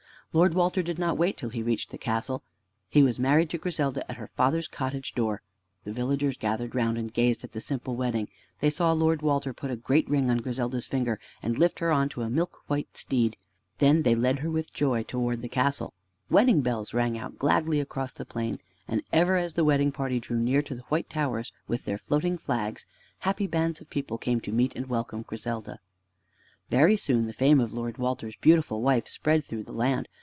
Lord Walter did not wait till he reached the castle. He was married to Griselda at her father's cottage door. The villagers gathered round and gazed at the simple wedding. They saw Lord Walter put a great ring on Griselda's finger, and lift her on to a milk white steed. Then they led her with joy towards the castle. Wedding bells rang out gladly across the plain, and ever as the wedding party drew near to the white towers with their floating flags, happy bands of people came to meet and welcome Griselda. Very soon the fame of Lord Walter's beautiful wife spread through the land.